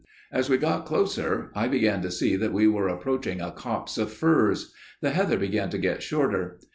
"As we got closer I began to see that we were approaching a copse of firs; the heather began to get shorter.